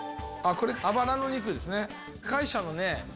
これアバラの肉ですね。